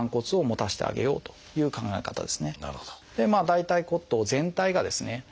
大腿骨頭全体がですね